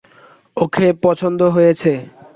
ওকে পছন্দ হয়েছে।